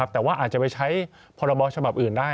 แต่ว่าอาจจะไปใช้พรบฉบับอื่นได้